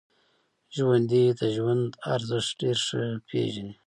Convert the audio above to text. ژوندي د ژوند ارزښت ډېر ښه پېژني